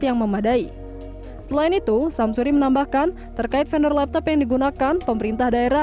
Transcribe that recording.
yang memadai selain itu samsuri menambahkan terkait vendor laptop yang digunakan pemerintah daerah